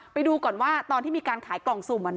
ไปดูก่อนว่าตอนที่มีการขายกล่องสุ่ม